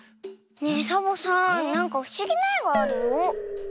ねえサボさんなんかふしぎな「え」があるよ。